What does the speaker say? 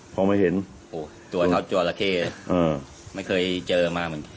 เพราะไม่เห็นโหตัวเทาตัวละเข้อ่าไม่เคยเจอมาเหมือน